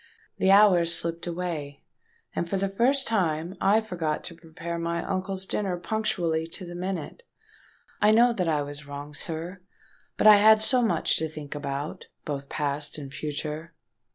The hours slipped away; and for the first time I forgot to prepare my uncle's dinner punctually to the minute. I know that I was wrong, sir—but I had so much to think about, both past and future!